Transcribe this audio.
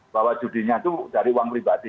bahwa judinya itu dari uang pribadi